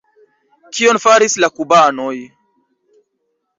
Kion faris la kubanoj?